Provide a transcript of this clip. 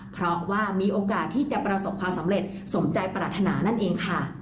เพราะว่ามีโอกาสที่จะประสบความสำเร็จสมใจปรารถนานั่นเองค่ะ